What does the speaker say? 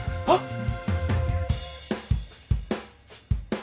あっ。